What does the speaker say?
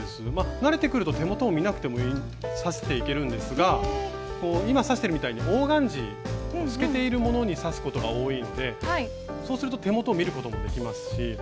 慣れてくると手元を見なくても刺していけるんですが今刺してるみたいにオーガンジー透けているものに刺すことが多いのでそうすると手元を見ることもできますし。